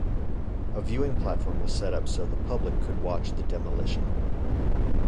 A viewing platform was set up so the public could watch the demolition.